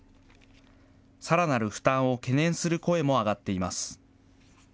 さらなる負担を懸念する声も上がっています。